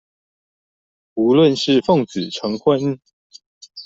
無論是奉子成婚